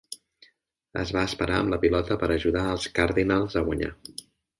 Es va esperar amb la pilota per ajudar els Cardinals a guanyar.